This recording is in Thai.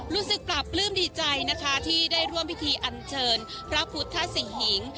รู้สึกปราบปลื้มดีใจนะคะที่ได้ร่วมพิธีอันเชิญพระพุทธศรีหิง